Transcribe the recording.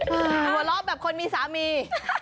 หัวเราะแบบคนมีสามี